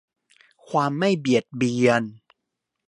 ความไม่เบียดเบียน